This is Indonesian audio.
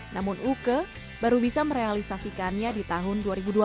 namun uke baru bisa merealisasikannya di tahun dua ribu dua puluh